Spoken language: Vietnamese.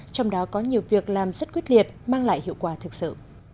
trong đó có nhiều việc làm rất quyết liệt mang lại hiệu quả thực sự